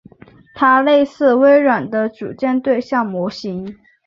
它类似微软的组件对象模型。